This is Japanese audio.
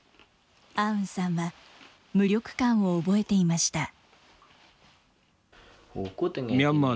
アウンさんは、無力感を覚えていました。